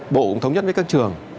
bộ cũng thống nhất với các trường